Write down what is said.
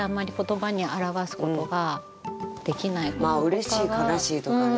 うれしい悲しいとかね。